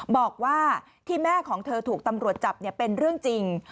บอกว่าที่แม่ของเธอถูกตำรวจจับเป็นเรื่องจริง